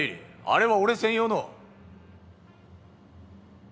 あれは俺専用の。